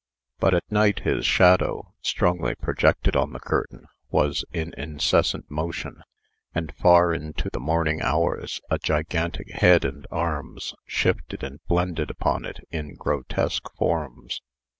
But at night his shadow, strongly projected on the curtain, was in incessant motion; and far into the morning hours a gigantic head and arms shifted and blended upon it in grotesque forms.